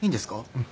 うん。